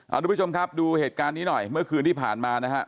ทุกผู้ชมครับดูเหตุการณ์นี้หน่อยเมื่อคืนที่ผ่านมานะฮะ